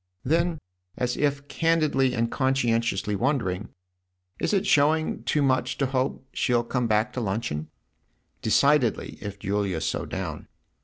Then, as if candidly and conscientiously wondering :" Is it showing it too much to hope she'll come back to luncheon ?" "Decidedly if Julia's so down."